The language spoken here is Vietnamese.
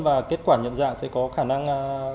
và kết quả nhận dạng sẽ có khả năng